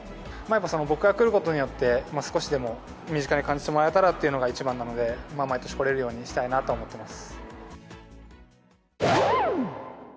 僕が来ることによって、少しでも身近に感じてもらえたらというのが一番なので、毎年来れるようにしたいなと思っています。